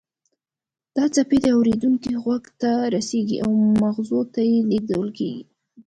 دا څپې د اوریدونکي غوږ ته رسیږي او مغزو ته لیږدول کیږي